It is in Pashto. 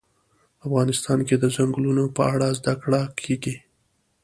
افغانستان کې د ځنګلونه په اړه زده کړه کېږي.